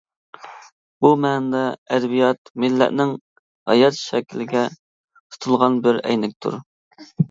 بۇ مەنىدە ئەدەبىيات، مىللەتنىڭ ھايات شەكلىگە تۇتۇلغان بىر ئەينەكتۇر.